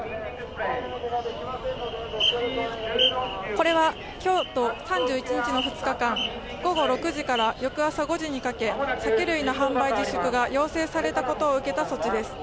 これは今日と３１日の２日間午後６時から翌朝５時にかけ、酒類の販売自粛が要請されたことを受けた措置です。